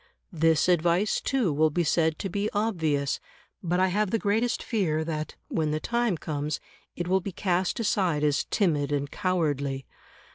This advice, too, will be said to be obvious; but I have the greatest fear that, when the time comes, it will be cast aside as timid and cowardly.